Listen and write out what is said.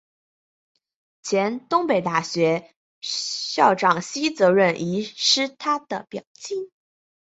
前东北大学校长西泽润一是他的表亲。